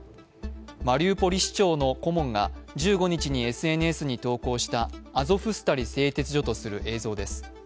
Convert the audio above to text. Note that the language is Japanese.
マリウポリ市長の顧問が１５日にＳＮＳに投稿したアゾフスタリ製鉄所とする映像です。